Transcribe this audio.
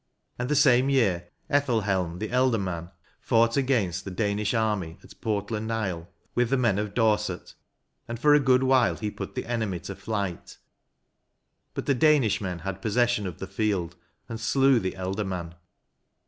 And the same year Ethelhelm the Ealdorman fought against the Danish army at Portland isle with the men of Dorset, and for a good while he put the enemy to flight; hut the Danish men had possession of the field, and slew the Ealdorman."